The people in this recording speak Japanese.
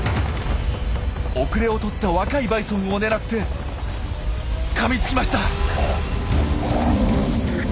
後れを取った若いバイソンを狙ってかみつきました！